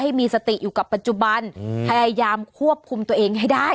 ให้มีสติอยู่กับปัจจุบันพยายามควบคุมตัวเองให้ได้